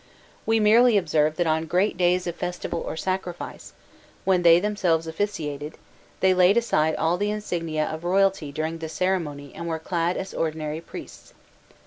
We merely observe that on great days of festival or sacrifice, when they themselves officiated, they laid aside all the insignia of royalty during the ceremony and were clad as ordinary priests.